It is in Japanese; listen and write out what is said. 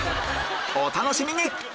お楽しみに！